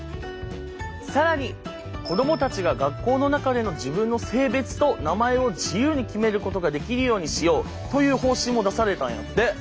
更に子供たちが学校の中での自分の性別と名前を自由に決めることができるようにしようという方針も出されたんやって！